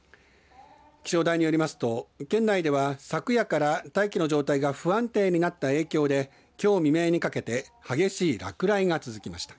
気象台によりますと、県内では昨夜から大気の状態が不安定になった影響できょう未明にかけて激しい落雷が続きました。